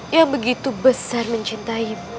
yang begitu besar mencintaimu